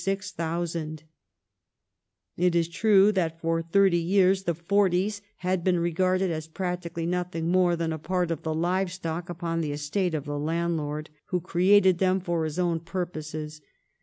^ It is true that for thirty yeai s the " forties " had been regarded as " practically nothing more than a part of the live stock upon the estate of the landlord," who created them for his own purposes.